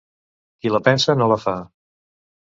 Qui la pensa no la fa.